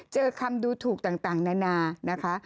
เจอคำดูถูกต่างนานานะคะ